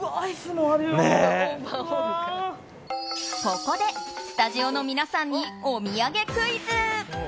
ここでスタジオの皆さんにお土産クイズ。